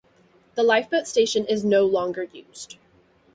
The lifeboat station is no longer used.